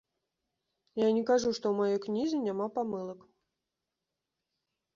Я не кажу, што ў маёй кнізе няма памылак.